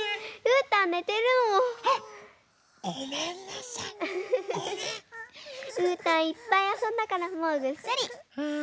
うーたんいっぱいあそんだからもうぐっすり。